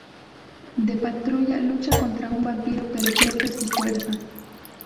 De patrulla, lucha contra un vampiro pero pierde su fuerza.